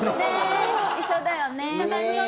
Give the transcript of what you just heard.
一緒だよね。